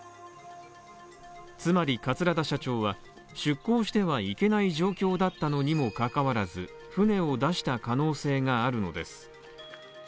つまり桂田社長は出航してはいけない状況だったのにも関わらず船を出した可能性があるのです。